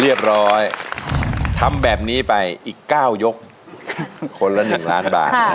เรียบร้อยทำแบบนี้ไปอีกเก้ายกคนละหนึ่งล้านบาทนะฮะ